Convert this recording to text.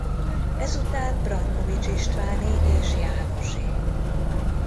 Ezután Brankovics Istváné és Jánosé.